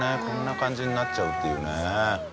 こんな感じになっちゃうっていうね。